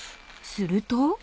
［すると］